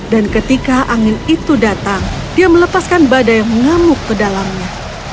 dan ketika angin itu datang dia melepaskan badai yang ngamuk ke dalamnya